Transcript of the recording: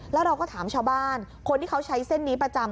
แล้วเราก็ถามชาวบ้านคนที่เขาใช้เส้นนี้ประจำ